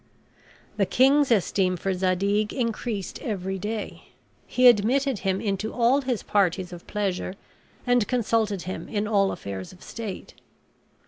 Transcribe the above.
The king's esteem for Zadig increased every day. He admitted him into all his parties of pleasure, and consulted him in all affairs of state.